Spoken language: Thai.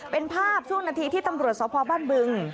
เป็นภาพช่วงนาทีที่ตำรวจสพบ้านบึง